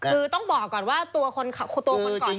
คือต้องบอกก่อนว่าตัวคนก่อน